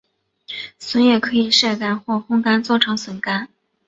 笋也可以晒干或烘干做成笋干。